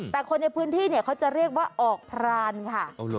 แต่คนในพื้นที่เนี่ยเขาจะเรียกว่าออกพรานค่ะ